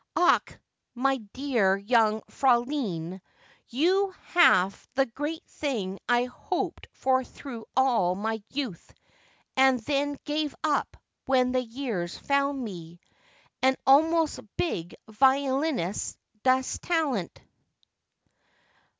"Ach, my dear young Fräulein, you haf the great thing I hoped for through all my youth and then gave up when the years found me an almost big violinist das Talent!